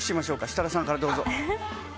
設楽さんからどうぞ。